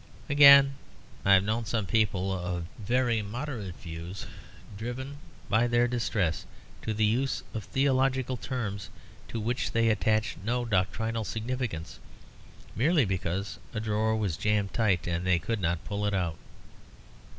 Again, I have known some people of very modern views driven by their distress to the use of theological terms to which they attached no doctrinal significance, merely because a drawer was jammed tight and they could not pull it out.